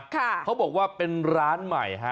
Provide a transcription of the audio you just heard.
เขาบอกว่าเป็นร้านใหม่ฮะ